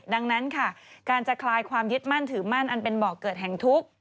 ดังนั้นค่ะการจะคลายความยึดมั่นถือมั่นอันเป็นบอกเกิดแห่งทุกข์